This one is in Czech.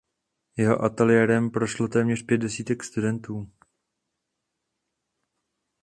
Jeho ateliérem prošlo téměř pět desítek studentů.